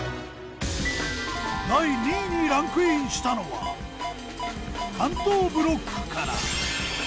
第２位にランクインしたのは関東ブロックから。